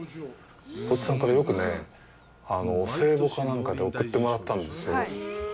大津さんから、よくお歳暮か何かで送ってもらったんですよ。